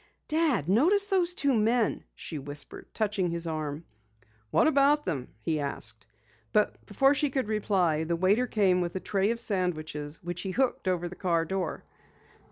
"Dad, notice those two men," she whispered, touching his arm. "What about them?" he asked, but before she could reply, the waiter came with a tray of sandwiches which he hooked over the car door.